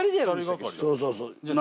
そうそうそう。